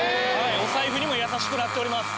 お財布にも優しくなっております。